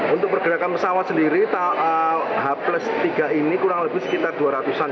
untuk pergerakan pesawat sendiri h tiga ini kurang lebih sekitar dua ratus an